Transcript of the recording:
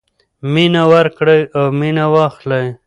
مینه ورکړئ او مینه واخلئ.